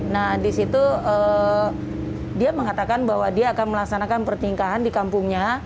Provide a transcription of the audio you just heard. nah di situ dia mengatakan bahwa dia akan melaksanakan pertingkahan di kampungnya